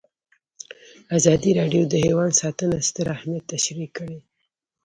ازادي راډیو د حیوان ساتنه ستر اهميت تشریح کړی.